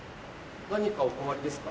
何かお困りですか？